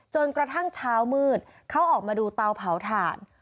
จนกระทั่งเช้ามืดเขาออกมาดูเตาเผาถ่าน